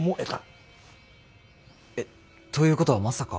えっということはまさか。